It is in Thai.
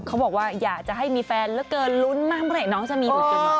เขาบอกว่าอยากจะให้มีแฟนแล้วเกินลุ้นมากเมื่อไหนน้องจะมี